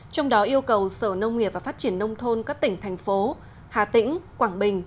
trong đó yêu cầu sở nông nghiệp và phát triển nông thôn các tỉnh thành phố hà tĩnh quảng bình